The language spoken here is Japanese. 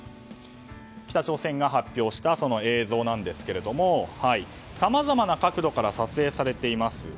北朝鮮が発表した映像ですがさまざまな角度から撮影されています。